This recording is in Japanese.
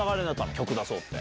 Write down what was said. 曲出そうって。